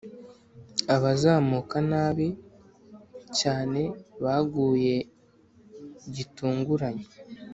abazamuka nabi cyane baguye gitunguranye.